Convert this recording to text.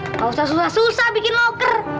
nggak usah susah susah bikin loker